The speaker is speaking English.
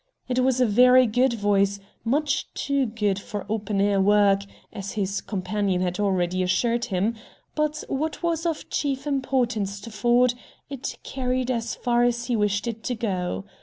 It was a very good voice, much too good for "open air work," as his companion had already assured him, but, what was of chief importance to Ford, it carried as far as he wished it to go.